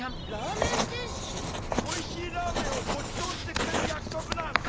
おいしいラーメンをごちそうしてくれるやくそくなんだ。